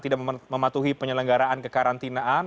tidak mematuhi penyelenggaraan kekarantinaan